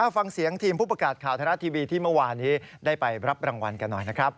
ฟังเสียงทีมผู้ประกาศข่าวไทยรัฐทีวีที่เมื่อวานนี้ได้ไปรับรางวัลกันหน่อยนะครับ